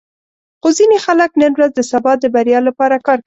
خو ځینې خلک نن ورځ د سبا د بریا لپاره کار کوي.